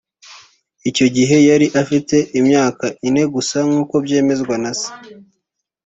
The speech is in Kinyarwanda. Icyo gihe yari afite imyaka ine gusa nk’uko byemezwa na se